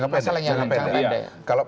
kalau pembinaan itu jangka pendek